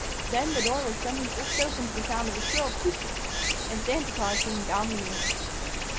Then the door was suddenly thrust open to the sound of a shrill toot, and Santa Claus came bounding in.